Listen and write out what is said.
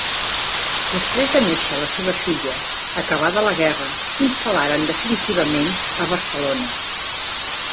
Després de néixer la seva filla, acabada la guerra, s'instal·laren definitivament a Barcelona.